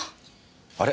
あれ？